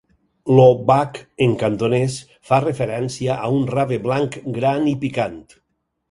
"Lo bac", en cantonès, fa referència a un rave blanc gran i picant.